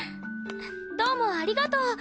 どうもありがとう。